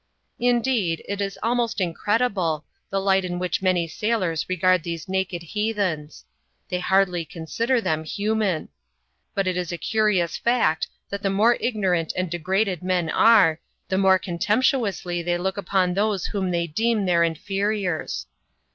Indeed, it is almost incredible, the light in which many sailors regard these naked heathens. They hardly consider them human. But it is a curious fact, that the more ignorant and degraded men are, the more contemptuously they look up<Mi those whom they deem their inferiors.